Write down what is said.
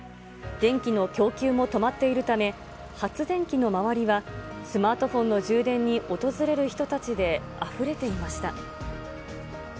電気の供給も止まっているため、発電機の周りはスマートフォンの充電に訪れる人たちであふれていました。